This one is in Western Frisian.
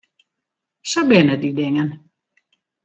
Sa binne dy dingen.